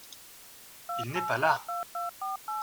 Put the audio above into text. Il n’est pas là !